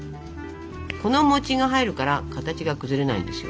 この餅が入るから形が崩れないんですよ。